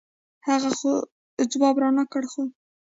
هغه خو جواب رانۀ کړۀ خو